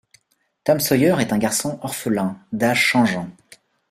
Tom Sawyer est un garçon orphelin, d'âge changeant.